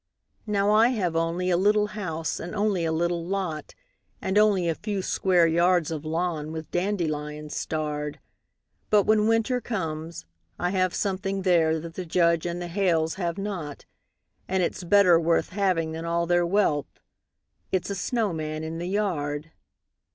Now I have only a little house, and only a little lot, And only a few square yards of lawn, with dandelions starred; But when Winter comes, I have something there that the Judge and the Hales have not, And it's better worth having than all their wealth it's a snowman in the yard.